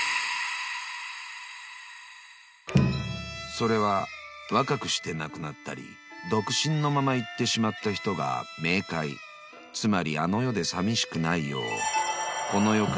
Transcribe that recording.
［それは若くして亡くなったり独身のまま逝ってしまった人が冥界つまりあの世でさみしくないよう］